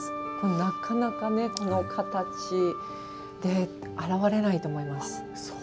なかなか、この形で現れないと思います。